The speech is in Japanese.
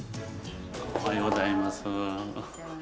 おはようございます。